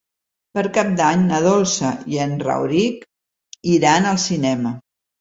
Per Cap d'Any na Dolça i en Rauric iran al cinema.